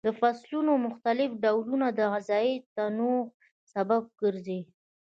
د فصلونو مختلف ډولونه د غذایي تنوع سبب ګرځي.